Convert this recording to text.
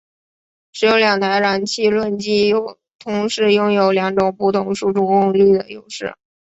使用两台燃气轮机有同时拥有两种不同输出功率的优势。